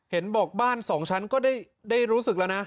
เห็นบอกบ้านสองชั้นก็ได้รู้สึกแล้วนะ